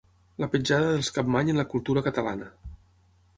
La petjada dels Capmany en la cultura catalana.